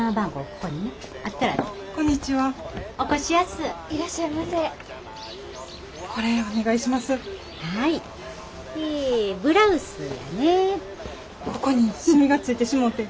ここに染みがついてしもうて。